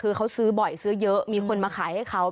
คือเขาซื้อบ่อยซื้อเยอะมีคนมาขายให้เขา